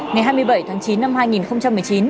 ngày hai mươi bảy tháng chín năm hai nghìn một mươi chín